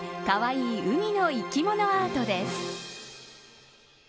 かわいい海の生き物アートです。